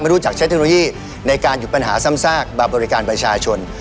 รู้จักใช้เทคโนโลยีในการหยุดปัญหาซ้ำซากมาบริการประชาชน